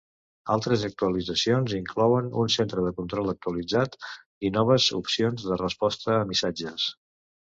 Altres actualitzacions inclouen un Centre de control actualitzat i noves opcions de resposta a Missatges.